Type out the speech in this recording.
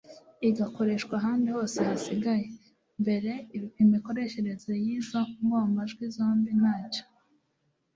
igakoreshwa ahandi hose hasigaye. mbere imikoreshereze y'izo ngombajwi zombi ntacyo